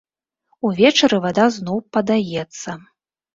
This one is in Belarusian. Увечары вада зноў падаецца.